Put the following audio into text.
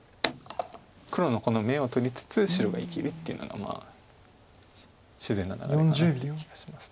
黒のこの眼を取りつつ白が生きるっていうのが自然な流れかなっていう気がします。